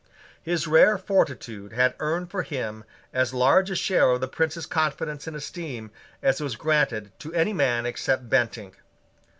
His rare fortitude had earned for him as large a share of the Prince's confidence and esteem as was granted to any man except Bentinck.